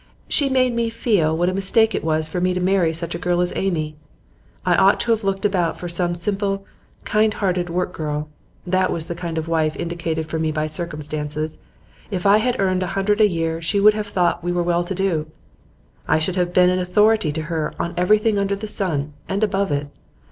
She made me feel what a mistake it was for me to marry such a girl as Amy. I ought to have looked about for some simple, kind hearted work girl; that was the kind of wife indicated for me by circumstances. If I had earned a hundred a year she would have thought we were well to do. I should have been an authority to her on everything under the sun and above it.